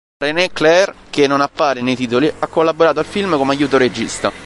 René Clair, che non appare nei titoli, ha collaborato al film come aiuto regista.